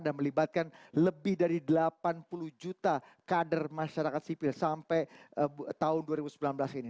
dan melibatkan lebih dari delapan puluh juta kader masyarakat sipil sampai tahun dua ribu sembilan belas ini